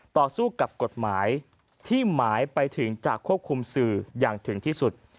ต่อสู้กับกฎหมายที่หมายไปถึงจะควบคุมสื่ออย่างถึงที่สุด